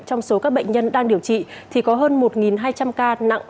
trong số các bệnh nhân đang điều trị thì có hơn một hai trăm linh ca nặng